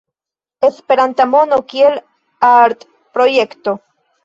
Esperanta mono kiel artprojekto.